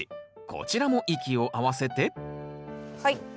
こちらも息を合わせてはい。